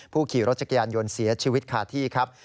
ขี่รถจักรยานยนต์เสียชีวิตคาที่ครับ